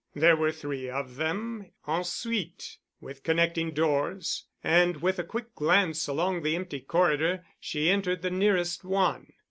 There were three of them en suite, with connecting doors, and with a quick glance along the empty corridor she entered the nearest one.